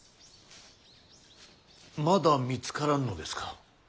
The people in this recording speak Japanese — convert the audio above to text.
まだ見つからんのですか。